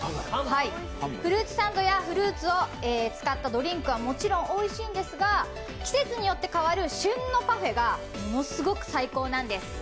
フルーツサンドやフルーツを使ったドリンクはもちろんおいしいんですが、季節によって変わる旬のパフェがものすごく最高なんです。